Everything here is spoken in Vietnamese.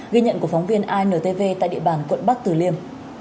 đây là điều đáng bản của quận bắc tử liêm